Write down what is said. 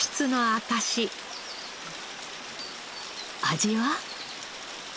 味は？